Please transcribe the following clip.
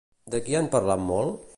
De qui han parlat molt?